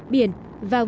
biển và vệ tinh